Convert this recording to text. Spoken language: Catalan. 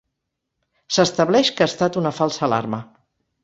S'estableix que ha estat una falsa alarma.